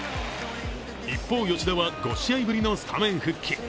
一方、吉田は５試合ぶりのスタメン復帰。